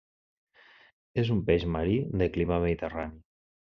És un peix marí de clima mediterrani.